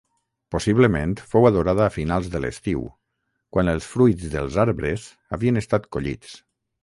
Possiblement fou adorada a finals de l'estiu quan els fruits dels arbres havien estat collits.